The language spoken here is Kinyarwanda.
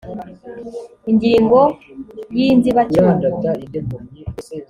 ingingo y’inzibacyuho